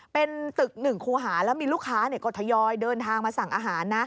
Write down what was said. เป็นตึกหนึ่งคูหาแล้วมีลูกค้าก็ทยอยเดินทางมาสั่งอาหารนะ